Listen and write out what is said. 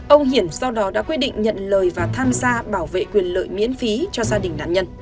ông hiển sau đó đã quyết định nhận lời và tham gia bảo vệ quyền lợi miễn phí cho gia đình nạn nhân